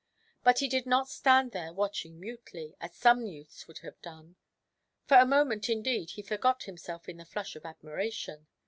But he did not stand there watching mutely, as some youths would have done; for a moment, indeed, he forgot himself in the flush of admiration.